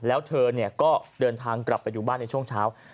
แล้วเธอก็เดินทางกลับไปอยู่บ้านในช่วงเช้า